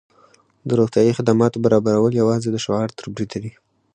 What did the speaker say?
د روغتیايي خدمتونو برابرول یوازې د شعار تر بریده دي.